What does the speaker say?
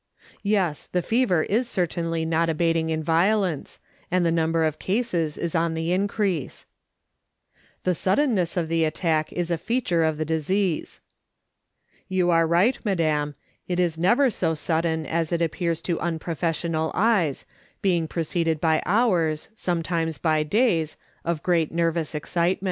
Yes; the fever is certainly not abating in violence, and the number of cases is on the increase." " The suddenness of the attack is a feature of the disease." " You are right, madam. It is never so sudden as it appears to unprofessional eyes, being preceded by hours, sometimes by days, of great nervous excitement."